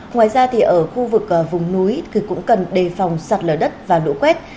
ngoài ra thì ở khu vực vùng núi thì cũng cần đề phòng sạt lở đất và lũ quét